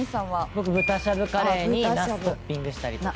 僕豚しゃぶカレーになすトッピングしたりとか。